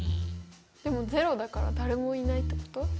でも０だから誰もいないってこと？